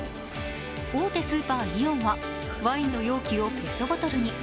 大手スーパー・イオンはワインの容器をペットボトルに。